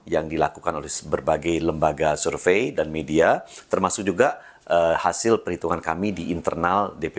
yang dilakukan oleh berbagai lembaga survei dan media termasuk juga hasil perhitungan kami di internal